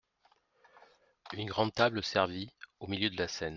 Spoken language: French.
Une grande table servie, au milieu de la scène.